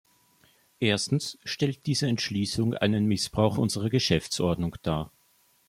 Erstens stellt diese Entschließung einen Missbrauch unserer Geschäftsordnung dar.